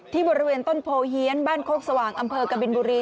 บริเวณต้นโพเฮียนบ้านโคกสว่างอำเภอกบินบุรี